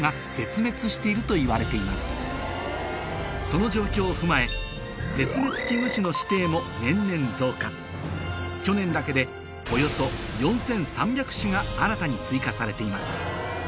その状況を踏まえ絶滅危惧種の指定も年々増加去年だけでが新たに追加されています